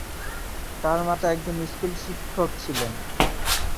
তার মাতা একজন স্কুল শিক্ষক ছিলেন।